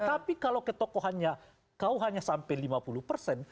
tapi kalau ketokohannya kau hanya sampai lima puluh persen